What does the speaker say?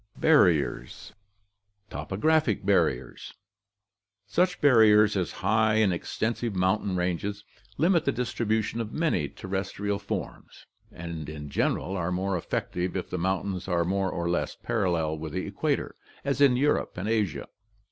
Barriers * Topographic Barriers. — Such barriers as high and extensive mountain ranges limit the distribution of many terrestrial forms, and in general are more effective if the mountains are more or less parallel with the equator, as in Europe and Asia.